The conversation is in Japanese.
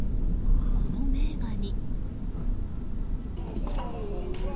この名画に。